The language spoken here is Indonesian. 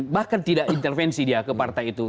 bahkan tidak intervensi dia ke partai itu